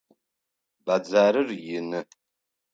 Бадзэрыр ины.